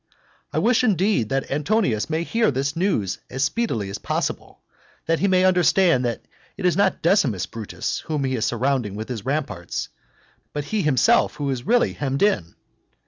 I wish, indeed, that Antonius may hear this news as speedily as possible, so that he may understand that it is not Decimus Brutus whom he is surrounding with his ramparts, but he himself who is really hemmed in.